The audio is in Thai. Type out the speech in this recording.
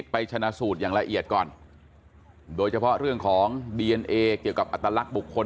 ไปชนะสูตรอย่างละเอียดก่อนโดยเฉพาะเรื่องของดีเอนเอเกี่ยวกับอัตลักษณ์บุคคล